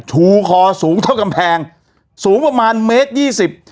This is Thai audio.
ชูคอสูงเท่ากำแพงสูงประมาณเมตรยี่สิบ